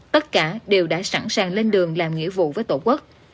tất cả đều đã sẵn sàng lên đường làm nghĩa vụ với tổ quốc